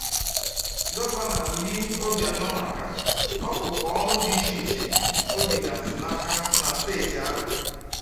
Gọvanọ Willie Obianọ maka ọkpụrụkpụ ọrụ dị icheiche o jigasị n'aka na steeti ahụ